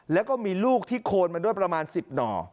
แล้วก็มีลูกที่โคนมาด้วยประมาณ๑๐หน่อ